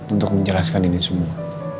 untuk menjelaskan ini semua